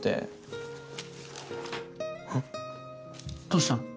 どうしたの？